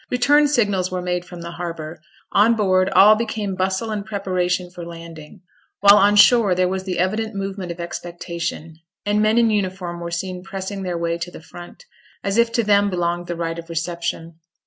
Return signals were made from the harbour; on board all became bustle and preparation for landing; while on shore there was the evident movement of expectation, and men in uniform were seen pressing their way to the front, as if to them belonged the right of reception.